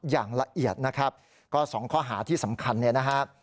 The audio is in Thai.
อย่างละเอียดนะครับก็สองข้อหาที่สำคัญเนี่ยนะฮะ